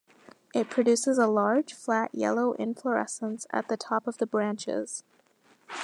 It produces a large, flat, yellow inflorescence at the top of the branches.